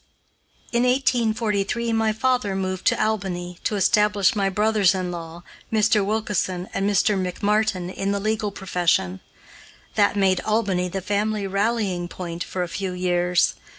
In 1843 my father moved to Albany, to establish my brothers in law, Mr. Wilkeson and Mr. McMartin, in the legal profession. That made Albany the family rallying point for a few years.